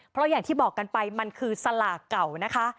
เพราะอย่างที่บอกกันไปมันคือสลากเก่านะคะ